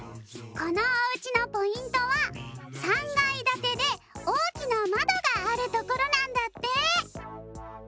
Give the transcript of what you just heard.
このおうちのポイントは３がいだてでおおきなまどがあるところなんだって！